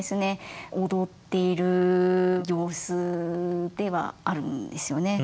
踊っている様子ではあるんですよね。